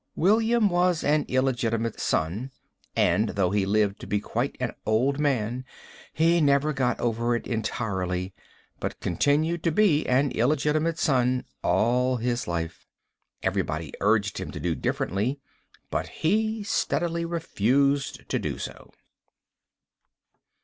William was an illegitimate son, and, though he lived to be quite an old man, he never got over it entirely, but continued to be but an illegitimate son all his life. Everybody urged him to do differently, but he steadily refused to do so.